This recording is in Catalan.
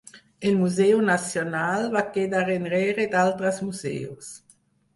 El Museu Nacional va quedar enrere d'altres museus.